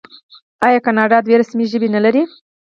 آیا کاناډا دوه رسمي ژبې نلري؟